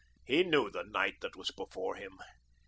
He knew the night that was before him.